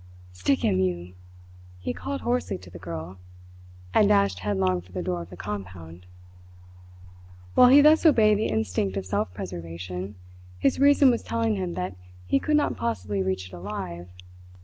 "Stick him, you!" he called hoarsely to the girl, and dashed headlong for the door of the compound. While he thus obeyed the instinct of self preservation, his reason was telling him that he could not possibly reach it alive.